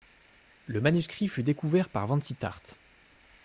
Le manuscrit fut découvert par Vansittart.